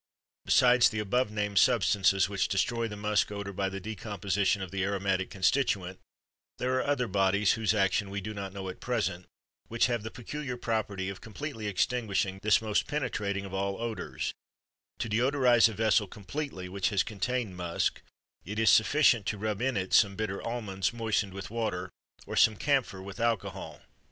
Besides the above named substances which destroy the musk odor by the decomposition of the aromatic constituent, there are other bodies, whose action we do not know at present, which have the peculiar property of completely extinguishing this most penetrating of all odors: to deodorize a vessel completely which has contained musk, it is sufficient to rub in it some bitter almonds moistened with water or some camphor with alcohol.